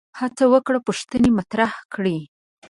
هڅه وکړه پوښتنې مطرح کړي